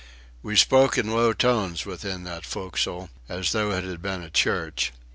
We spoke in low tones within that fo'c'sle as though it had been a church.